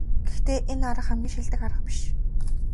Гэхдээ энэ арга хамгийн шилдэг арга биш.